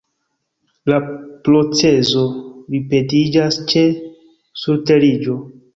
La procezo ripetiĝas ĉe surteriĝo.